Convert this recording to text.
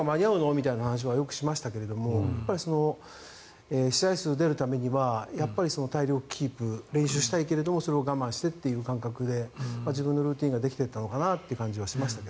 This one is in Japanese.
みたいな話はよくしましたけど試合数出るためにはやっぱり体力キープ練習したいけれどもそれを我慢してという感覚で自分のルーティンができていったのかなという感じはしましたが。